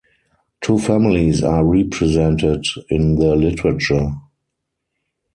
Two families are represented in the literature.